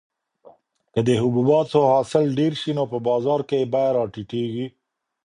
که د حبوباتو حاصل ډېر شي نو په بازار کې یې بیه راټیټیږي.